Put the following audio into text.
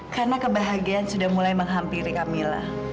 karena kebahagiaan sudah mulai menghampiri kamila